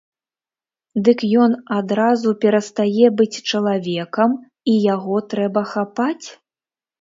Дык ён адразу перастае быць чалавекам і яго трэба хапаць?